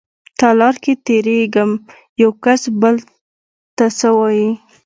تالار کې تېرېږم يوکس بل ته څه وايي.